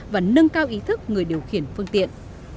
và nâng cao ý thức người điều khiển phương tiện